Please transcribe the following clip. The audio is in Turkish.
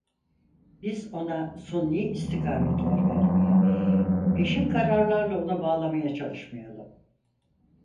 Biz ona suni istikametler vermeye, peşin kararlarla onu bağlamaya çalışmayalım!